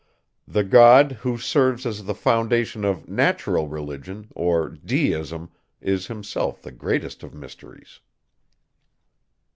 The God, who serves as the foundation of natural religion, or deism, is himself the greatest of mysteries.